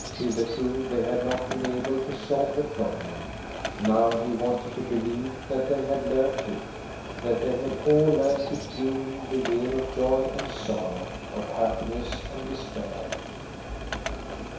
Hitherto they had not been able to solve the problem. Now he wanted to believe that they had learned it, that they had all learned it during that year of joy and sorrow, of happiness and despair.